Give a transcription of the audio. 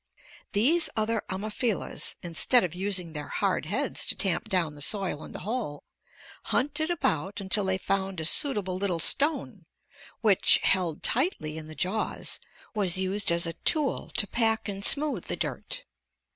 These other Ammophilas, instead of using their hard heads to tamp down the soil in the hole, hunted about until they found a suitable little stone which, held tightly in the jaws, was used as a tool to pack and smooth the dirt!